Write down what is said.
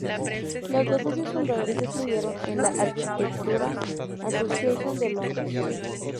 Los dos socios fundadores estudiaron en la Architectural Association de Londres.